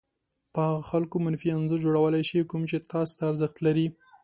په هغو خلکو کې منفي انځور جوړولای شي کوم چې تاسې ته ارزښت لري.